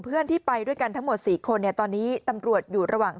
เพื่อนที่ไปด้วยกันทั้งหมด๔คนเนี่ยตอนนี้ตำรวจอยู่ระหว่าง